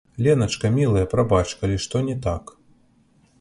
Леначка, мілая, прабач, калі што не так.